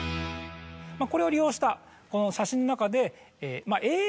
これを利用した写真の中で。